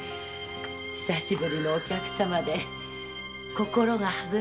久しぶりのお客様で心が弾みます。